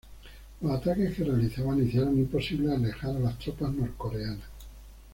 Los ataques que realizaban hicieron imposible alejar a las tropas norcoreanas.